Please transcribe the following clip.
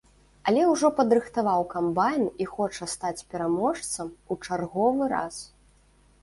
Але ўжо падрыхтаваў камбайн і хоча стаць пераможцам у чарговы раз.